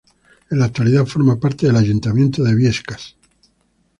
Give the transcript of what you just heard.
En la actualidad forma parte del Ayuntamiento de Biescas.